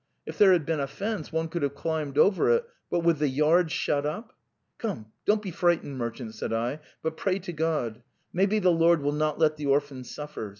If there had been a fence one could have climbed over it, but with the yard shut up! ...' Come, don't be fright ened, merchant,' said I; ' but pray to God. Maybe the Lord will not let the orphans suffer.